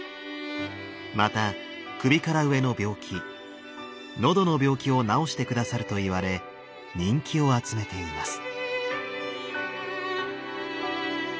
また首から上の病気喉の病気を治して下さるといわれ人気を集めています。